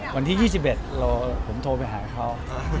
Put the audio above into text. วันที่๒๑ผมโทรไปหาเขา